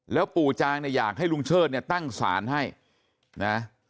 แล้วปู่จางเนี่ยอยากให้ลุงเชิดเนี่ยตั้งศาลให้นะ